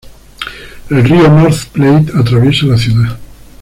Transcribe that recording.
El río North Platte atraviesa la ciudad.